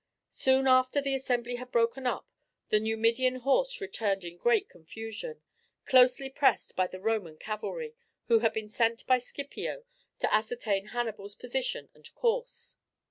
Soon after the assembly had broken up the Numidian horse returned in great confusion, closely pressed by the Roman cavalry, who had been sent by Scipio to ascertain Hannibal's position and course.